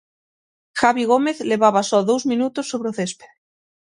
Javi Gómez levaba só dous minutos sobre o céspede.